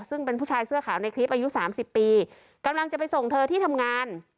ซึ่งเป็นผู้ชายเสื้อขาวในคลิปอายุสามสิบปีกำลังจะไปส่งเธอที่ทำงาน